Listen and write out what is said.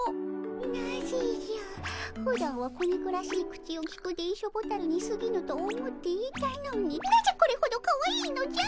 なぜじゃふだんは小憎らしい口をきく電書ボタルにすぎぬと思っていたのになぜこれほどかわいいのじゃ！